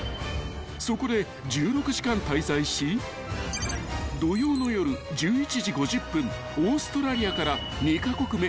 ［そこで１６時間滞在し土曜の夜１１時５０分オーストラリアから２カ国目